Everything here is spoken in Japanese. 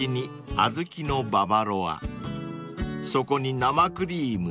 ［そこに生クリーム］